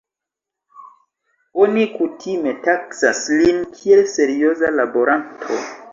Oni kutime taksas lin kiel serioza laboranto.